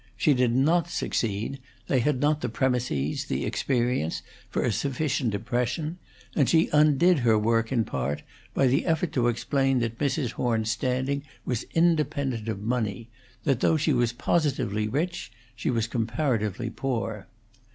She did not succeed; they had not the premises, the experience, for a sufficient impression; and she undid her work in part by the effort to explain that Mrs. Horn's standing was independent of money; that though she was positively rich, she was comparatively poor.